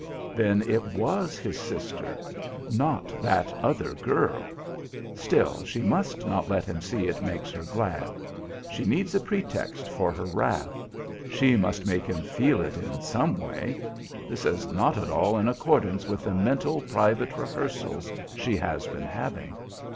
Then it was his sister. Not "that other girl!" Still she must not let him see it makes her glad. She needs a pretext for her wrath. She must make him feel it in some way. This is not at all in accordance with the mental private rehearsals she has been having.